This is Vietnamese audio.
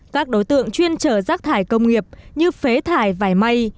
các đối tượng chuyên trở rác thải công nghiệp như phế thải vải may